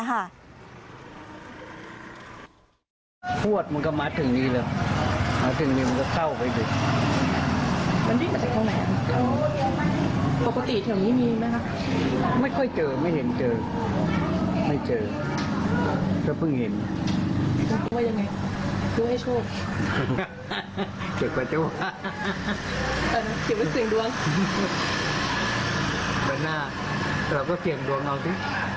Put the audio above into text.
ใบหน้าเราก็เสี่ยงดวงเอาสิ